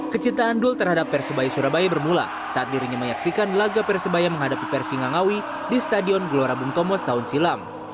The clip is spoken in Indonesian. kecintaan dul terhadap persebaya surabaya bermula saat dirinya menyaksikan laga persebaya menghadapi persi ngangawi di stadion gelora bung tomo setahun silam